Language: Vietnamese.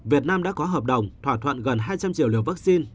việt nam đã có hợp đồng thỏa thuận gần hai trăm linh triệu liều vaccine